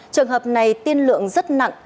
trường hợp này tiên lượng rất nặng